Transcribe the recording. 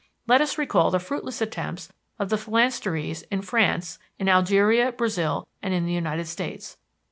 Let us recall the fruitless attempts of the "phalansteries" in France, in Algeria, Brazil, and in the United States.